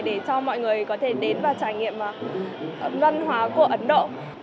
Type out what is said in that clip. để cho mọi người có thể đến và trải nghiệm văn hóa của ấn độ